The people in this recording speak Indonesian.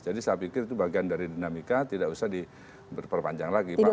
jadi saya pikir itu bagian dari dinamika tidak usah diperpanjang lagi pak mardani